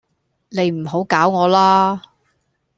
你唔好搞我喇